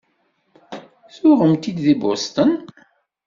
Tuɣem-t-id deg Boston?